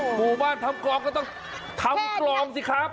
หมู่บ้านทำกลองก็ต้องทำกลองสิครับ